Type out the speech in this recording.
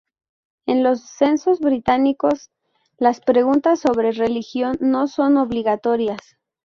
En los censos británicos, las preguntas sobre religión no son obligatorias.